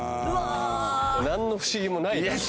何の不思議もないだろいや